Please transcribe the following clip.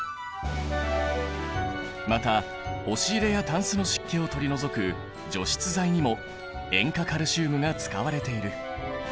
また押し入れやタンスの湿気を取り除く除湿剤にも塩化カルシウムが使われている。